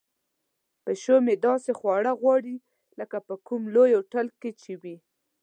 پیشو مې داسې خواړه غواړي لکه په کوم لوی هوټل کې چې وي.